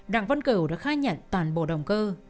đặng văn cửu đã khai nhận toàn bộ động cơ